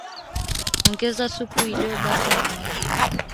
Ongeza supu iliyobaki na maji